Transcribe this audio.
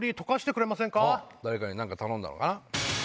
誰かに何か頼んだのかな？